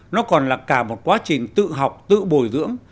nó còn là cả một quá trình tự học tự bồi dưỡng